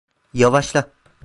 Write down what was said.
Yavaşla.